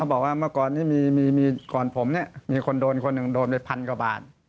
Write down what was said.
เขาบอกว่าเมื่อก่อนก่อนผมมีคนโดนคนหนึ่งโดนเป็นพันกว่าบาท